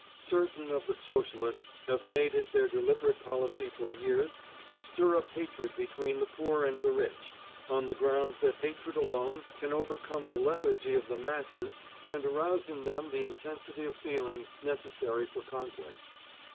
Certain of the Socialists have made it their deliberate policy for years to stir up hatred between the poor and the rich, on the ground that hatred alone can overcome the lethargy of the masses and arouse in them the intensity of feeling necessary for conflict.